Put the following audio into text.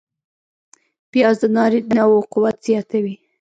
پیاز د نارینه و قوت زیاتوي